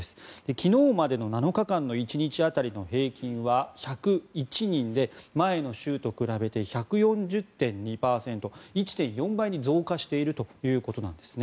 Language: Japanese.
昨日までの７日間の１日当たりの平均は１０１人で前の週と比べて１４０．２％１．４倍に増加しているということなんですね。